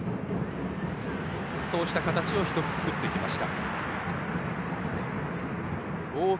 そうした形を１つ作ってきた大分。